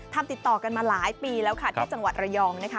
ติดต่อกันมาหลายปีแล้วค่ะที่จังหวัดระยองนะคะ